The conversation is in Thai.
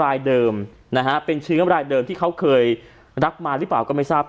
รายเดิมนะฮะเป็นเชื้อรายเดิมที่เขาเคยรับมาหรือเปล่าก็ไม่ทราบ